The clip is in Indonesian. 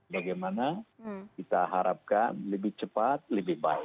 bagaimana kita harapkan lebih cepat lebih baik